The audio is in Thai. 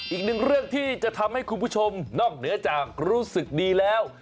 อีกหนึ่งเรื่องที่จะทำให้คุณผู้ชมนอกเหนือจากรู้สึกดีแล้ว